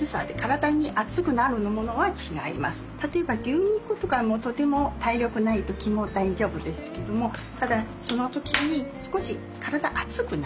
例えば牛肉とかもとても体力ない時も大丈夫ですけどもただその時に少し体熱くなリますね。